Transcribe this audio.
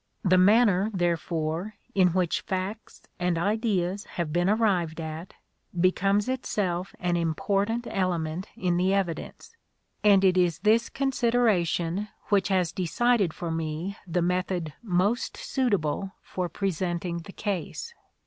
The manner, therefore, in which facts and ideas have been arrived at becomes itself an important element in the evidence ; and it is this consideration which has decided for me the method most suitable for presenting the case.